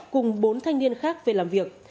cùng bốn thanh niên khác về làm việc